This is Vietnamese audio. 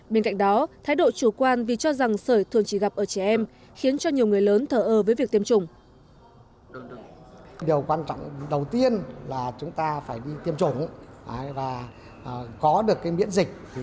bên cạnh đó thái độ chủ quan vì cho rằng sởi thường chỉ gặp ở trẻ em khiến cho nhiều người lớn thở ơ với việc tiêm chủng